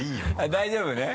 大丈夫ね？